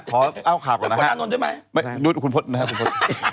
ขอเอาข่าวก่อนนะฮะดูดคุณพลดนะฮะคุณพลด